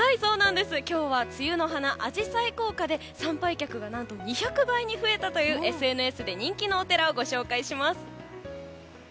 今日は梅雨の花アジサイ効果で参拝客が何と２００倍に増えたというＳＮＳで人気のお寺をご紹介します。